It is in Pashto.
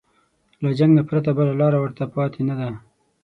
له جنګ نه پرته بله لاره ورته پاتې نه ده.